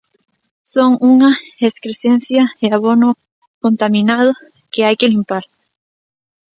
Son unha "excrecencia e abono contaminado" que "hai que limpar".